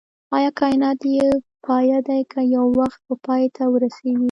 ايا کائنات بی پایه دی که يو وخت به پای ته ورسيږئ